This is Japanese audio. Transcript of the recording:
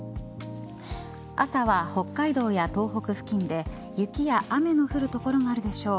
朝は北海道や東北付近で雪や雨の降る所があるでしょう。